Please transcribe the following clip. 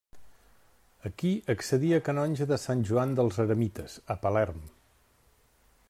Aquí accedí a canonge de Sant Joan dels Eremites, a Palerm.